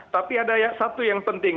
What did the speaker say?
tapi ada satu yang penting